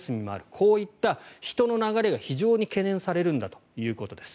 こういった人の流れが非常に懸念されるんだということです。